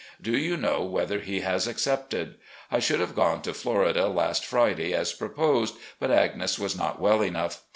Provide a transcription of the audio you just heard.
Do you know whether he has accepted ? I should have gone to Florida last Friday, as proposed, but Agnes was not well enough.